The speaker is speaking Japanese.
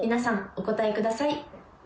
お答えください